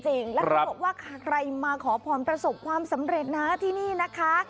แล้วเขาบอกว่าใครมาขอพรประสบความสำเร็จนะที่นี่นะคะ